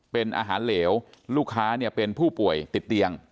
เป็นอาหารเหลวลูกค้าเนี่ยเป็นผู้ป่วยติดเตียง